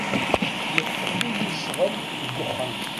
Yeṭṭef-iyi ccɣel deg wexxam.